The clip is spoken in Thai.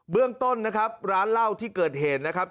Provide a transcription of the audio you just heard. เรื่องต้นนะครับร้านเหล้าที่เกิดเหตุนะครับ